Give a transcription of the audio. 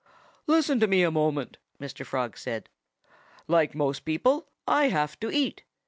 "Listen to me a moment!" Mr. Frog said. "Like most people, I have to eat.